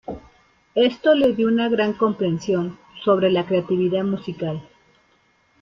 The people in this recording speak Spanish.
Esto le dio una gran comprensión sobre la creatividad musical.